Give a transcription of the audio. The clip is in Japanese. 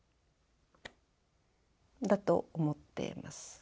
だと思っています。